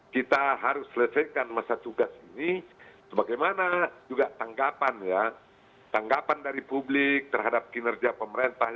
kita harus selalu berdebat